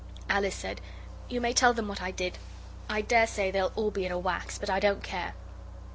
Alice said, 'You may tell them what I did. I daresay they'll all be in a wax, but I don't care.